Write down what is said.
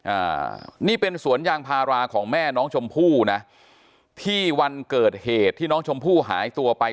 อ่านี่เป็นสวนยางพาราของแม่น้องชมพู่นะที่วันเกิดเหตุที่น้องชมพู่หายตัวไป